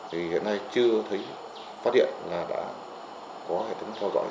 thì hiện nay chưa thấy phát hiện là đã có hệ thống theo dõi